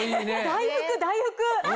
大福大福！